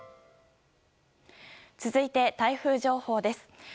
続いて台風情報です。